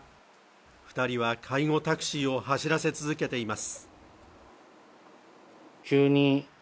二人は介護タクシーを走らせ続けています